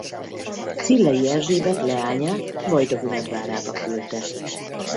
Cillei Erzsébet leányát Vajdahunyad várába küldte.